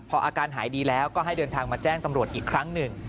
พออาการหายดีแล้วก็ให้เดินทางมาแจ้งตำรวจอีกครั้งหนึ่ง